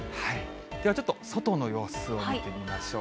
では、ちょっと外の様子を見てみましょう。